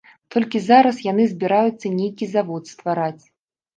Толькі зараз яны збіраюцца нейкі завод ствараць.